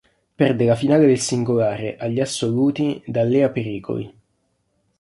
Perde la finale del singolare, agli "assoluti", da Lea Pericoli.